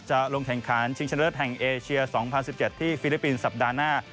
จะลงแข่งขันชิงชะเลิศแห่งเอเชีย๒๐๑๗ที่ฟิลิปปินส์สัปดาห์หน้า